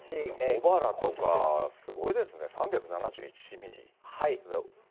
茂原とか、すごいですね、３７１ミリ。